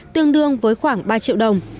tương đương với khoảng ba triệu đồng